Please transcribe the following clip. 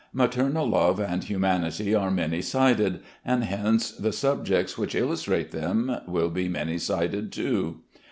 Maternal love and humanity are many sided, and hence the subjects which illustrate them will be many sided too.